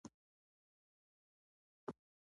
د شل زره خیبریانو پروړاندې مقاومت و.